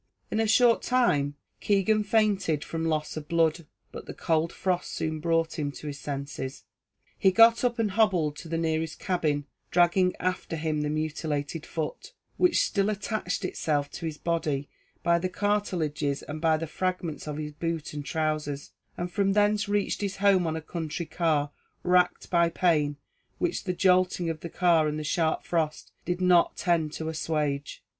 In a short time Keegan fainted from loss of blood, but the cold frost soon brought him to his senses; he got up and hobbled to the nearest cabin, dragging after him the mutilated foot, which still attached itself to his body by the cartilages and by the fragments of his boot and trousers; and from thence reached his home on a country car, racked by pain, which the jolting of the car and the sharp frost did not tend to assuage.